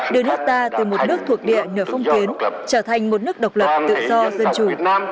đưa nước ta từ một nước thuộc địa nửa phong kiến trở thành một nước độc lập tự do dân chủ